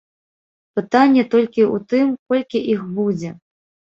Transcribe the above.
Пытанне толькі ў тым, колькі іх будзе.